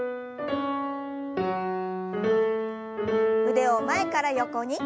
腕を前から横に。